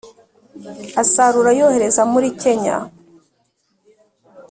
Asarura yohereza muri Kenya